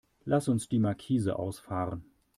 Lass uns die Markise ausfahren.